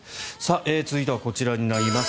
続いてはこちらになります。